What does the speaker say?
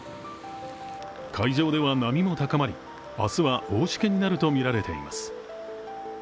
海上では波も高まり、明日は大しけになるとみられています。